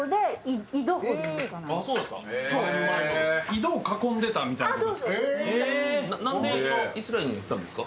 井戸を囲んでたみたいな？